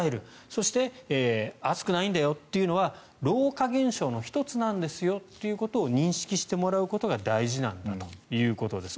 そして暑くないんだよというのは老化現象の１つなんですよということを認識してもらうことが大事なんだということです。